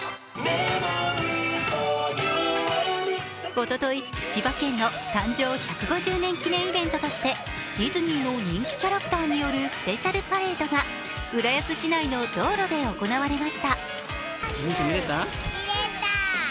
おととい、千葉県の誕生１５０年記念イベントとして、ディズニーの人気キャラクターによるスペシャルパレードが浦安市内の道路で行われました。